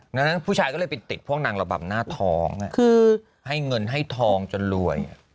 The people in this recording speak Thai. ดังนั้นผู้ชายก็เลยไปติดพวกนางระบำหน้าท้องคือให้เงินให้ทองจนรวย